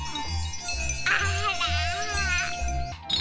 あら。